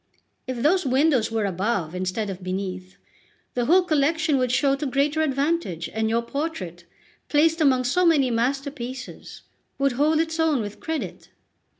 If those windows were above instead of beneath, the whole collection would show to greater advantage, and your portrait, placed among so many masterpieces, would hold its own with credit."